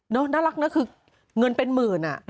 น่ารักนะคือเงินเป็นหมื่นอ่ะ